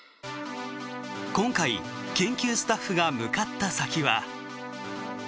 今回研究スタッフが向かった先は。